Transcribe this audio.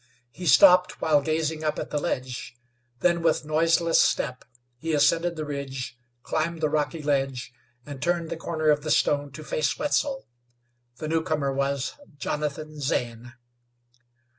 He stopped while gazing up at the ledge. Then, with noiseless step, he ascended the ridge, climbed the rocky ledge, and turned the corner of the stone to face Wetzel. The newcomer was Jonathan Zane.